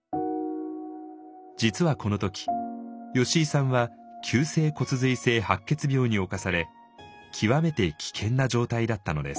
実はこの時吉井さんは「急性骨髄性白血病」に侵され極めて危険な状態だったのです。